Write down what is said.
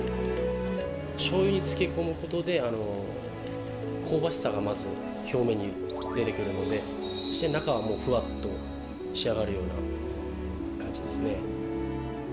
しょうゆに漬け込むことで香ばしさがまず表面に出てくるのでそして中はもうフワッと仕上がるような感じですね。